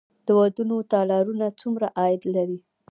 د ودونو تالارونه څومره عاید لري؟